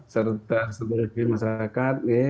serta sebagian masyarakat